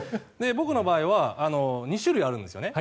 僕の場合は、２種類あるんです。